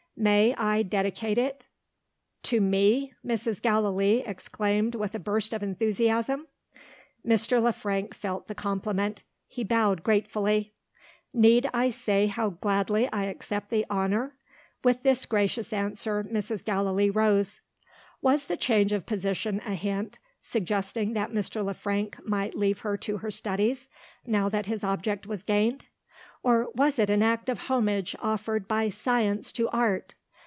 May I dedicate it ?" "To me!" Mrs. Gallilee exclaimed with a burst of enthusiasm. Mr. Le Frank felt the compliment. He bowed gratefully. "Need I say how gladly I accept the honour?" With this gracious answer Mrs. Gallilee rose. Was the change of position a hint, suggesting that Mr. Le Frank might leave her to her studies, now that his object was gained? Or was it an act of homage offered by Science to Art?